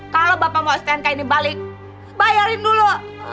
kalau bapak mau stnk ini balik bayarin dulu